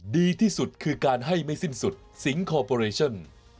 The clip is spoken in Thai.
ดีที่สุดคือการให้ไม่สิ้นสุดสิงคอร์ปอเรชั่น